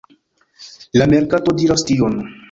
La merkato diras tion.